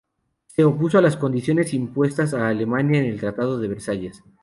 Se opuso a las condiciones impuestas a Alemania en el Tratado de Versalles.